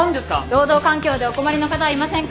労働環境でお困りの方はいませんか？